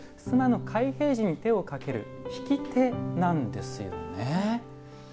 襖の開閉時に手をかける引き手なんですよね。